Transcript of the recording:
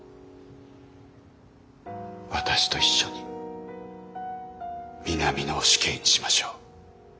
私と一緒に南野を死刑にしましょう。